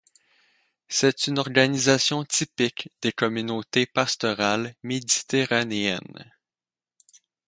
C'est une organisation typique des communautés pastorales méditerranéennes.